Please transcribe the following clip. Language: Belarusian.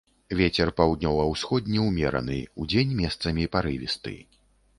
Вецер паўднёва-ўсходні ўмераны, удзень месцамі парывісты.